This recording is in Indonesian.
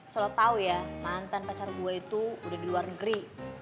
solo tahu ya mantan pacar gue itu udah di luar negeri